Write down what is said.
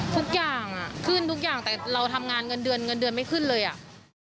ทุกอย่างอ่ะขึ้นทุกอย่างแต่เราทำงานเงินเดือนเงินเดือนไม่ขึ้นเลยอ่ะ